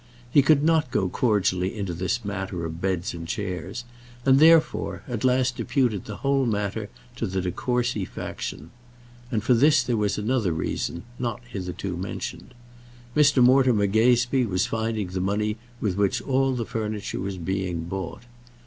He could not go cordially into this matter of beds and chairs, and, therefore, at last deputed the whole matter to the De Courcy faction. And for this there was another reason, not hitherto mentioned. Mr. Mortimer Gazebee was finding the money with which all the furniture was being bought.